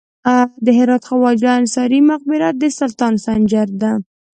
د هرات خواجه انصاري مقبره د سلطان سنجر ده